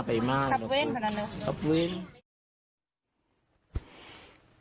ขับเว่นขับเว่น